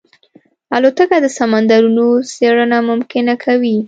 الوتکه د سمندرونو څېړنه ممکنه کوي.